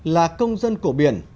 là công dân của biển